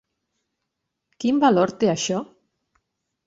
Quin valor té això?